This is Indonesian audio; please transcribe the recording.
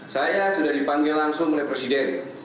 saya sudah dipanggil langsung oleh presiden